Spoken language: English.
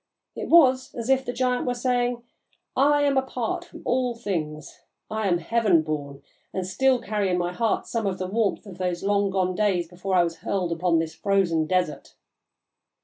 It was as if the giant were saying, 'I am apart from all things; I am heaven born, and still carry in my heart some of the warmth of those long gone days before I was hurled upon this frozen desert.'